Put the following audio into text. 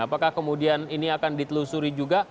apakah kemudian ini akan ditelusuri juga